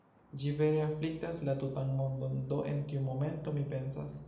Ĝi vere afliktas la tutan mondon, do en tiu momento mi pensas: